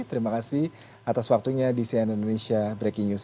terima kasih atas waktunya di cnn indonesia breaking news